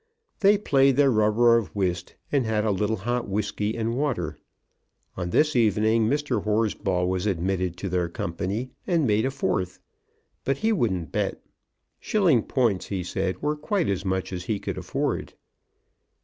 They played their rubber of whist and had a little hot whisky and water. On this evening Mr. Horsball was admitted to their company and made a fourth. But he wouldn't bet. Shilling points, he said, were quite as much as he could afford.